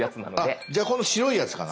じゃあこの白いやつかな？